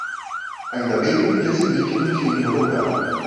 Ainda bem que no dia seguinte não tinha de madrugar!